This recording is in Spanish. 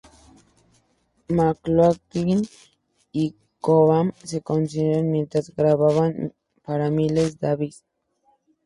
McLaughlin y Cobham se conocieron mientras grababan para Miles Davis.